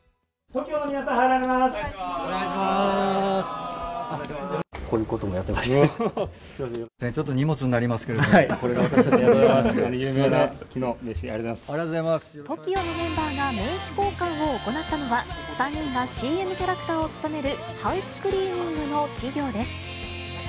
木の名刺ありがとうございまＴＯＫＩＯのメンバーが名刺交換を行ったのは、３人がＣＭキャラクターを務めるハウスクリーニングの企業です。